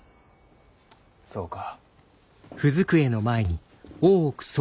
そうか。